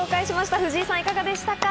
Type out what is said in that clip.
藤井さん、いかがでしたか？